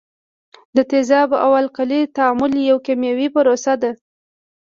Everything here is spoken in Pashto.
د تیزاب او القلي تعامل یو کیمیاوي پروسه ده.